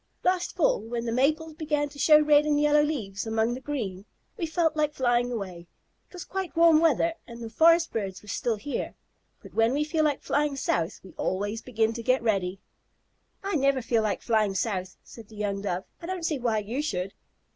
"Last fall, when the maples began to show red and yellow leaves among the green, we felt like flying away. It was quite warm weather, and the forest birds were still here, but when we feel like flying south we always begin to get ready." "I never feel like flying south," said the young Dove. "I don't see why you should."